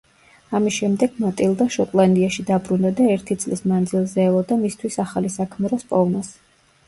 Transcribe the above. ამის შემდეგ მატილდა შოტლანდიაში დაბრუნდა და ერთი წლის მანძილზე ელოდა მისთვის ახალი საქმროს პოვნას.